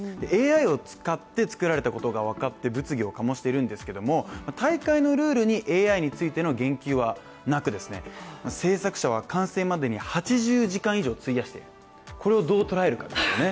ＡＩを使って作られたことが分かって物議を醸しているんですけれども大会のルールに、ＡＩについての言及はなく制作者は完成までに８０時間以上を費やしている、これをどう捉えるかですよね。